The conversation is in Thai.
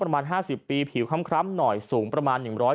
ประมาณห้าสิบปีผิวคล้ำคล้ำหน่อยสูงประมาณหนึ่งร้อย